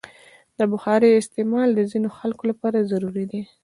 د بخارۍ استعمال د ځینو خلکو لپاره ضروري دی.